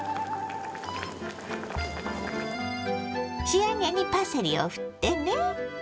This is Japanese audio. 仕上げにパセリをふってね。